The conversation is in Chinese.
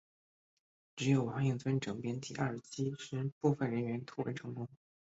只有王应尊整编第二十七师部分人员突围成功。